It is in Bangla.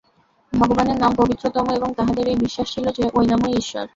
ভগবানের নাম পবিত্রতম এবং তাহাদের এই বিশ্বাস ছিল যে, ঐ নামই ঈশ্বর।